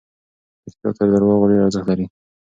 رښتیا تر درواغو ډېر ارزښت لري.